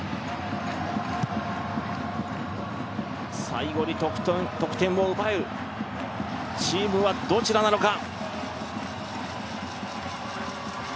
最後に得点を奪うチームはどちらなのか。